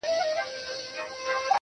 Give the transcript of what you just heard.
• څه ته مي زړه نه غواړي.